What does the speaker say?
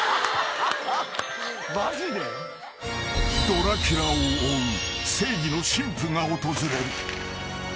［ドラキュラを追う正義の神父が訪れる］